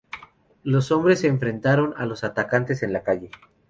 Los hombres se enfrentaron a los atacantes en la calle.